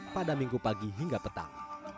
pada minggu pagi hingga petang